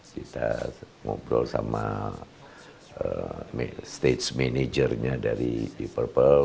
kita ngobrol sama stage managernya dari deep purple